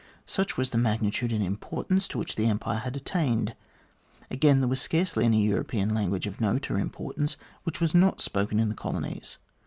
Such was the magnitude and importance to which that Empire had attained. Again, there was scarcely any European language of note or importance which was not spoken in the colonies.